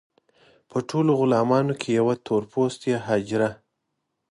په ټولو غلامانو کې یوه تور پوستې حاجره.